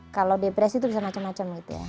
kalau depresi itu bisa macam macam gitu ya